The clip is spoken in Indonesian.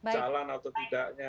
jalan atau tidaknya